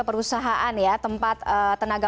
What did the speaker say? perusahaan ya tempat tenaga